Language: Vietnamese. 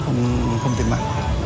không tiền mạng